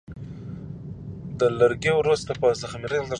دا لرګي وروسته په خمېره تبدیلېږي د جوړولو لپاره.